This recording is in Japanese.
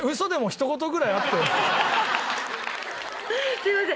すいません。